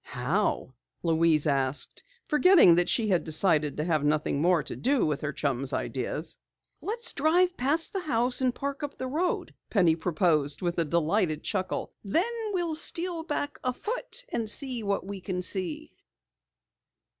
"How?" Louise asked, forgetting that she had decided to have nothing more to do with her chum's "ideas." "Let's drive past the house and park up the road," Penny proposed with a delighted chuckle. "Then we'll steal back afoot and see what we can see!"